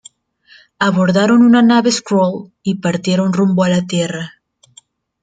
Abordaron una nave Skrull y partieron rumbo a la Tierra.